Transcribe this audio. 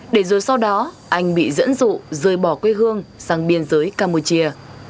để rồi sau đó anh bị dẫn dụ rời bỏ quê hương sang biên giới campuchia